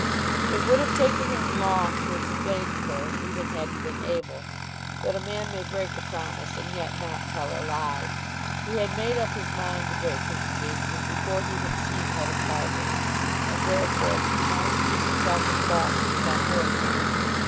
It would have taken him long to explain to her, even had he been able, that a man may break a promise and yet not tell a lie. He had made up his mind to break his engagement before he had seen Hetta Carbury, and therefore he could not accuse himself of falseness on her account.